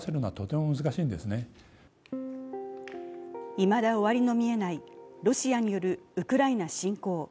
いまだ終わりの見えないロシアによるウクライナ侵攻。